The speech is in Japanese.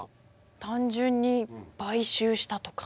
単純に買収したとか？